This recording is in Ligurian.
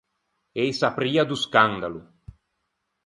Ëse a pria do scandalo.